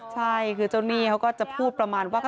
ใช่คือเจ้าหนี้เขาก็จะพูดประมาณว่า